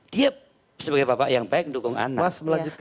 dia sebagai bapak yang baik mendukung anak